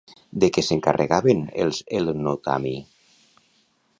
De què s'encarregaven els hel·lenotami?